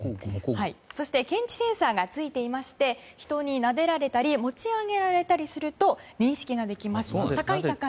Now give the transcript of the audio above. そして検知センサーがついていまして人になでられたり持ち上げられたりすると認識ができます。